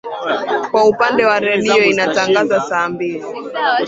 Kwa upande wa redio inatangaza saa mbili